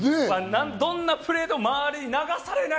どんなプレーでも周りに流されない。